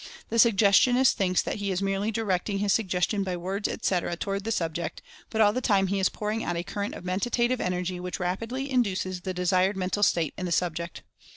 The Suggestionist thinks that he is merely direct ing his ''Suggestion" by words, etc., toward the sub ject, but all the time he is pouring out a current of Mentative Energy which rapidly induces the desired mental state in the subject.